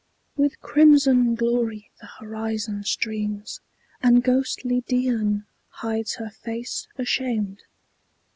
With crimson glory the horizon streams, And ghostly Dian hides her face ashamed.